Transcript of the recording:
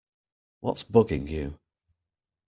What’s bugging you?